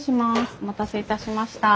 お待たせいたしました。